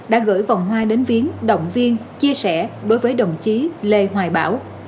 đã gửi vòng hoa đến viến động viên chia sẻ đối với đồng chí lê hoài bảo